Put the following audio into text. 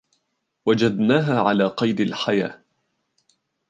وجدناها على قيد الحياة.